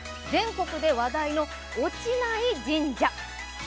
全国で話題の落ちない神社」。